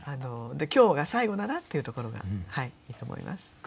で今日が最後だなっていうところがいいと思います。